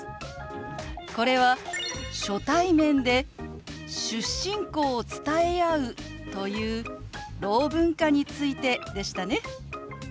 これは初対面で出身校を伝え合うというろう文化についてでしたね。